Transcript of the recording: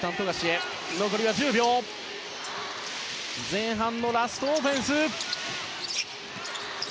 前半のラストオフェンス。